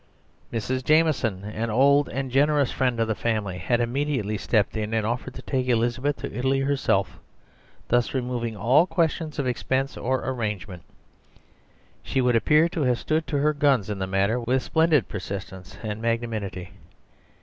Mrs. Jameson, an old and generous friend of the family, had immediately stepped in and offered to take Elizabeth to Italy herself, thus removing all questions of expense or arrangement. She would appear to have stood to her guns in the matter with splendid persistence and magnanimity.